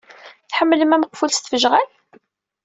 Tḥemmlem ameqful s tfejɣal?